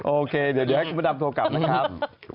โอเคเดี๋ยวให้คุณพระดำโทรกลับนะครับ